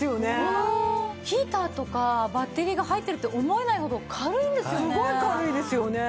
ヒーターとかバッテリーが入ってると思えないほど軽いんですよね。